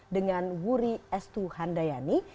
dengan wuri estu handayani